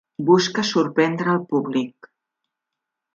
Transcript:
Busca sorprendre al públic.